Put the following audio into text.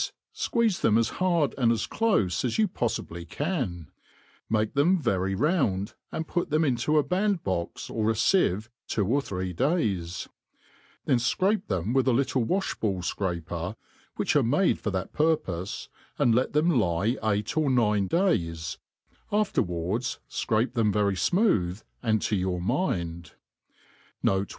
fqueeze them as hard and as clofe as you poffibly can; make thtnx very round, and put theip into a band box or a fieve two or three days ; then fcrape them a little with a wa(h*ball Tcraper (which arc made for that purpofe), and let them lie eight or nine days \ afterwards fcrape them very fmooth and, to your mind, ' N. B.